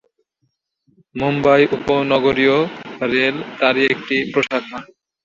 মুম্বাই উপনগরীয় রেল তারই একটি প্রশাখা।